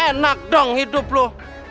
enak dong hidup lo